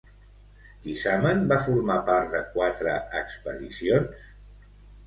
Tisamen va formar part de quatre expedicions?